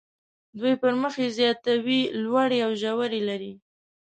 دوی پر مخ یې زیاتې لوړې او ژورې لري.